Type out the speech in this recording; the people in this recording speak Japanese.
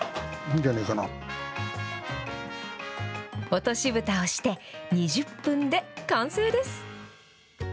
落としぶたをして、２０分で完成です。